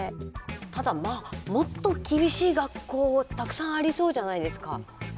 ただまあもっと厳しい学校たくさんありそうじゃないですか。